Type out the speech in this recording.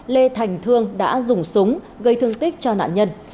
lê thành thương đã dùng súng gây thương tích cho nạn nhân